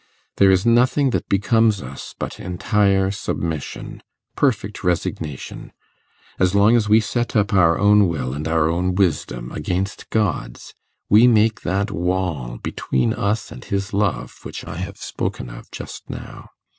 There is nothing that becomes us but entire submission, perfect resignation. As long as we set up our own will and our own wisdom against God's, we make that wall between us and his love which I have spoken of just now.